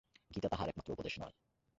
গীতা তাঁহার একমাত্র উপদেশ নয়।